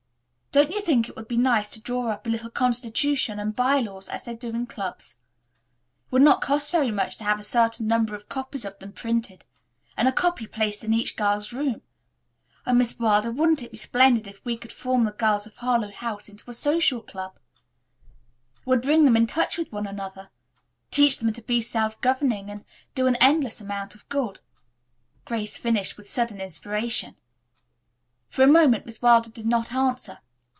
"Don't you think it would be a nice idea to draw up a little constitution and by laws as they do in clubs. It would not cost very much to have a certain number of copies of them printed, and a copy placed in each girl's room. Oh, Miss Wilder, wouldn't it be splendid if we could form the girls of Harlowe House into a social club. It would bring them in touch with one another, teach them to be self governing, and do an endless amount of good." Grace finished with sudden inspiration. For a moment Miss Wilder did not answer.